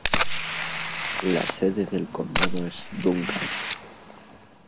La sede del condado es Duncan.